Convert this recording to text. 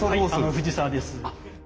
藤沢です。